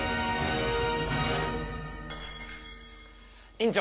院長！